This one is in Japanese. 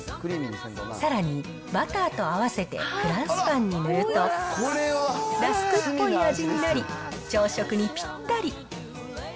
さらに、バターと合わせてフランスパンに塗ると、ラスクっぽい味になり、朝食にぴったり。